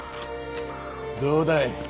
どうだい？